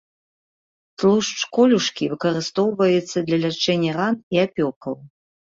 Тлушч колюшкі выкарыстоўваецца для лячэння ран і апёкаў.